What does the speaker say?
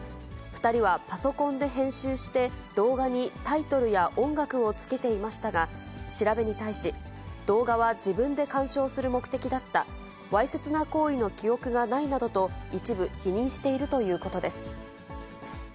２人はパソコンで編集して、動画にタイトルや音楽をつけていましたが、調べに対し、動画は自分で観賞する目的だった、わいせつな行為の記憶がないなどと、一部否認しているということです。